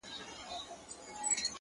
• زه مي د ميني په نيت وركړمه زړه؛